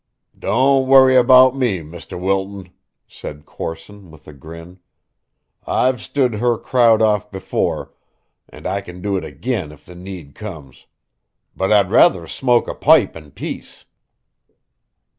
"Don't worry about me, Mr. Wilton," said Corson with a grin. "I've stood her crowd off before, and I can do it again if the need comes. But I'd rather smoke a poipe in peace."